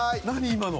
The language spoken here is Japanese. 今の。